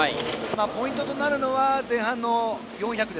ポイントとなるのは前半の４００。